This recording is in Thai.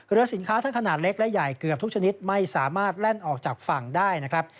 สินค้าทั้งขนาดเล็กและใหญ่เกือบทุกชนิดไม่สามารถแล่นออกจากฝั่งได้นะครับ